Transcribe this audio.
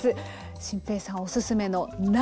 心平さんおすすめの鍋。